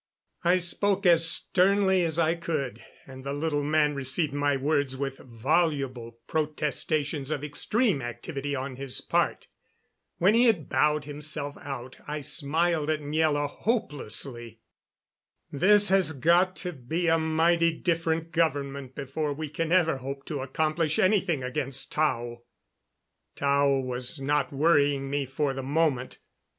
I spoke as sternly as I could, and the little man received my words with voluble protestations of extreme activity on his part. When he had bowed himself out I smiled at Miela hopelessly. "This has got to be a mighty different government before we can ever hope to accomplish anything against Tao." Tao was not worrying me for the moment.